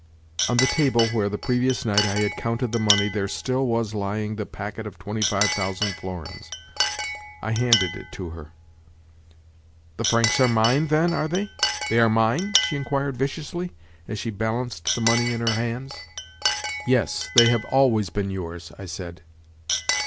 On the table where, the previous night, I had counted the money there still was lying the packet of twenty five thousand florins. I handed it to her. "The francs are mine, then, are they? They are mine?" she inquired viciously as she balanced the money in her hands. "Yes; they have always been yours," I said.